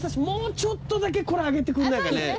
もうちょっとだけこれ上げてくんないかね